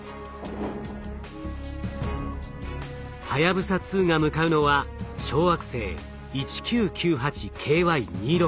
はやぶさ２が向かうのは小惑星１９９８ＫＹ２６。